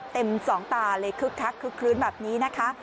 สองตาเลยคึกคักคึกคลื้นแบบนี้นะคะ